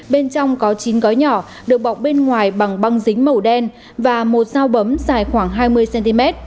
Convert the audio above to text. bên trong có chín gói nhỏ được bọc bên ngoài bằng băng dính màu đen và một dao bấm dài khoảng hai mươi cm